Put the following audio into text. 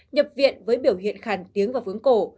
nhập viện với biểu hiện khàn tiếng và vướng cổ